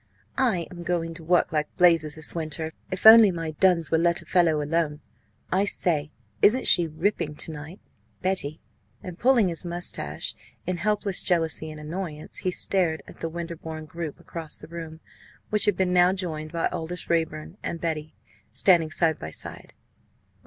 "I am going to work like blazes this winter, if only my dons will let a fellow alone. I say, isn't she ripping to night Betty?" And, pulling his moustache in helpless jealousy and annoyance, he stared at the Winterbourne group across the room, which had been now joined by Aldous Raeburn and Betty, standing side by side.